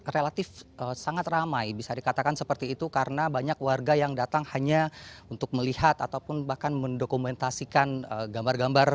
relatif sangat ramai bisa dikatakan seperti itu karena banyak warga yang datang hanya untuk melihat ataupun bahkan mendokumentasikan gambar gambar